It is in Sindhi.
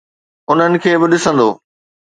انهن کي به ڏسندو.